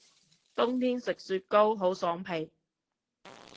冬天食雪糕好爽皮